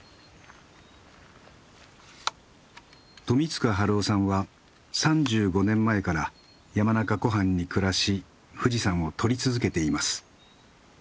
冨塚晴夫さんは３５年前から山中湖畔に暮らし富士山を撮り続けています。